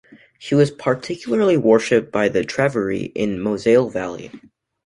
She was particularly worshipped by the Treveri in the Moselle Valley.